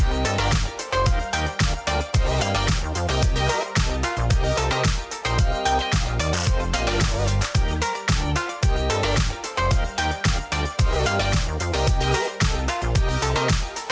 โปรดติดตามตอนต่อไป